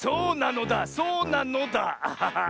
アハハハハ。